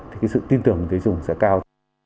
thì sự tin tưởng của người dùng sẽ cao